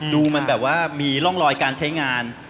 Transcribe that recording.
ดูมันแบบว่ามีร่องรอยการใช้งาน